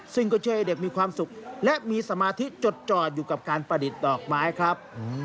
ซึ่งก็ช่วยให้เด็กมีความสุขและมีสมาธิจดจอดอยู่กับการประดิษฐ์ดอกไม้ครับ